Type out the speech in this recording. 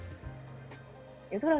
sejawat debrina di luar negri